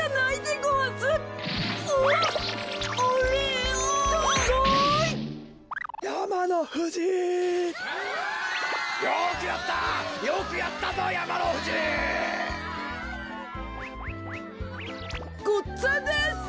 ごっつぁんです！